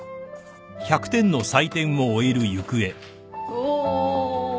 お。